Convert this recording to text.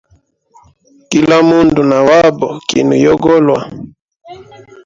Kila mundu na wabo kinwe yogolwa.